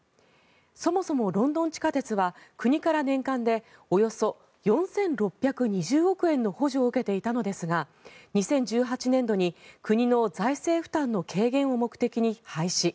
そもそもロンドン地下鉄は国から年間でおよそ４６２０億円の補助を受けていたのですが２０１８年度に国の財政負担の軽減を目的に廃止。